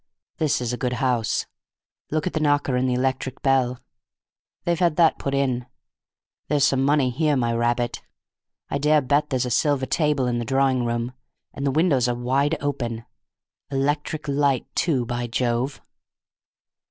This is a good house; look at the knocker and the electric bell. They've had that put in. There's some money here, my rabbit! I dare bet there's a silver table in the drawing room; and the windows are wide open. Electric light, too, by Jove!"